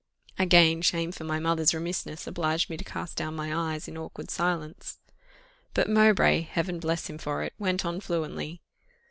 Again shame for my mother's remissness obliged me to cast down my eyes in awkward silence. But Mowbray, Heaven bless him for it! went on fluently.